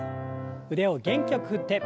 腕を元気よく振って。